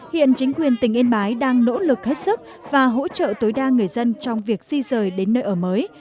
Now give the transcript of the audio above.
hiện chính quyền tỉnh yên bái đang nỗ lực hết sức và hỗ trợ tối đa người dân trong việc di rời đến nơi ở mới